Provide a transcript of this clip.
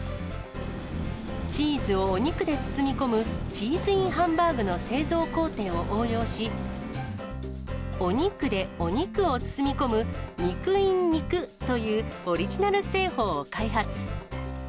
チーズをお肉で包み込む、チーズＩＮハンバーグの製造工程を応用し、お肉でお肉を包み込む、肉ｉｎ肉というオリジナル製法を開発。